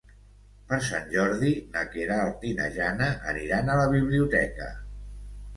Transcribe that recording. Per Sant Jordi na Queralt i na Jana aniran a la biblioteca.